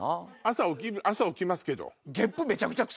朝起きますけど。